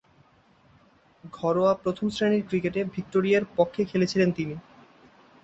ঘরোয়া প্রথম-শ্রেণীর ক্রিকেটে ভিক্টোরিয়ার পক্ষে খেলেছিলেন তিনি।